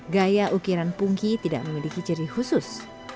gaya ukiran pungki tidak memiliki ciri khusus